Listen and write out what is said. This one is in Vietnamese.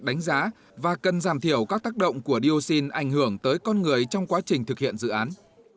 đánh giá và cần giảm thiểu các tác động của dioxin ảnh hưởng tới con người trong quá trình thực hiện dự án